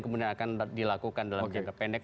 kemudian akan dilakukan dalam jangka pendek